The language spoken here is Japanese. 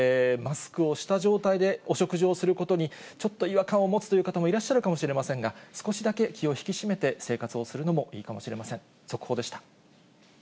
マスクをした状態でお食事をすることに、ちょっと違和感を持つという方もいらっしゃるかもしれませんが、少しだけ気を引き締めて生活をするのもいいかもしれません。